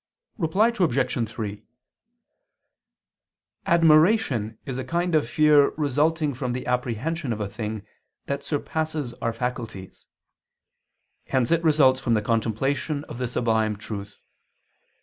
Reply Obj. 3: Admiration is a kind of fear resulting from the apprehension of a thing that surpasses our faculties: hence it results from the contemplation of the sublime truth.